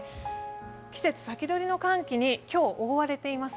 季節先取りの寒気に今日、覆われています。